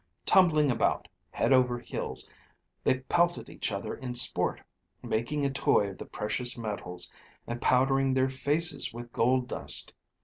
Tumbling about, head over heels they pelted each other in sport, making a toy of the precious metals, and powdering their faces with gold dust.